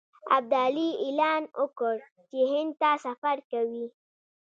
ابدالي اعلان وکړ چې هند ته سفر کوي.